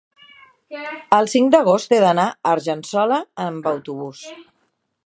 el cinc d'agost he d'anar a Argençola amb autobús.